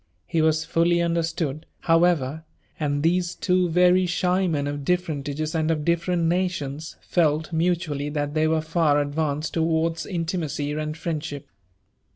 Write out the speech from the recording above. He was fully understood, however ; and these two very shy men, oC differentages and of different nations, felt mutually that they werfi far advanced towards iptimacy and friendship.